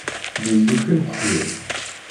Wwin-d akk timkeḥlin.